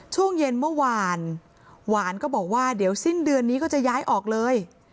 ช่วงเย็นเมื่อวานหวานก็บอกว่าเดี๋ยวสิ้นเดือนนี้ก็จะย้ายออกเลย